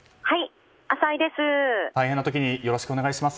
大変な時によろしくお願いします。